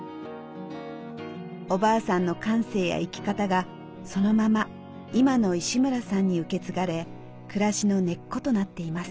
おばあさんの感性や生き方がそのまま今の石村さんに受け継がれ暮らしの根っことなっています。